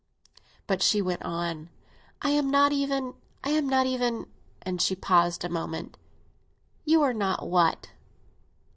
But she went on. "I am not even—I am not even—" And she paused a moment. "You are not what?"